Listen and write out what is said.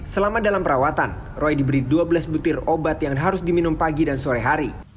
selama dalam perawatan roy diberi dua belas butir obat yang harus diminum pagi dan sore hari